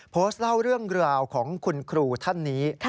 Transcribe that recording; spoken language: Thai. โพสต์เล่าเรื่องราวของคุณครูท่านนี้